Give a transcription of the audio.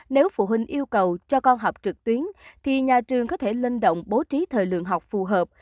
nếu phụ huynh yêu cầu cho con học trực tuyến thì nhà trường có thể linh động bố trí thời lượng học phù hợp